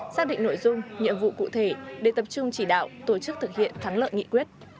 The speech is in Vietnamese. xác định nội dung nhiệm vụ cụ thể để tập trung chỉ đạo tổ chức thực hiện thắng lợi nghị quyết